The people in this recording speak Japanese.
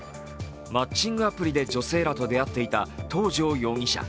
マッチングアプリで女性らと出会っていた東條容疑者。